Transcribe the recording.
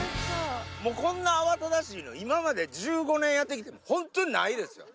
もうこんな慌ただしいの、今まで１５年やってきて、本当にないですよ。